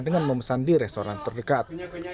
dengan memesan di restoran terdekat